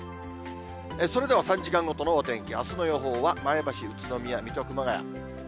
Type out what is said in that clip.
それでは３時間ごとのお天気、あすの予報は前橋、宇都宮、水戸、熊谷。